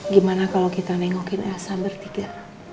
gimana kalau kita nengokin elsa bertiga